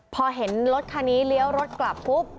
พอเห็นรถคันนี้เลี้ยวรถกลับปุ๊บ